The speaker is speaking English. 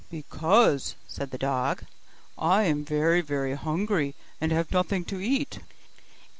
'Because,' said the dog, 'I am very very hungry, and have nothing to eat.